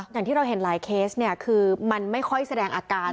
อย่างที่เราเห็นหลายเคสเนี่ยคือมันไม่ค่อยแสดงอาการ